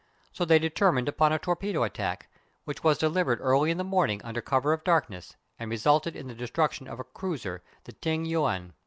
So they determined upon a torpedo attack, which was delivered early in the morning under cover of darkness, and resulted in the destruction of a cruiser, the Ting Yuen.